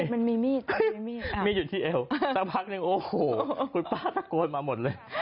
มันมีมีดมีดอยู่ที่เอวสักพักหนึ่งโอ้โหคุณป้าตะโกนมาหมดเลย